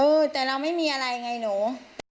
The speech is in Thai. เออแต่เราไม่มีอะไรไงหนู